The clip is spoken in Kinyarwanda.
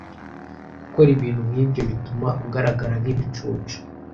Gukora ibintu nkibyo bituma ugaragara nkibicucu.